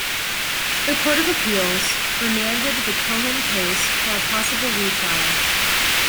The Court of Appeals remanded the Cohen case for a possible re-trial.